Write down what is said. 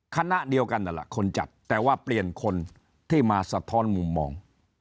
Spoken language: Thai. คณะเดียวกันนั่นแหละคนจัดแต่ว่าเปลี่ยนคนที่มาสะท้อนมุมมอง